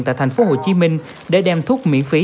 tại thành phố hồ chí minh để đem thuốc miễn phí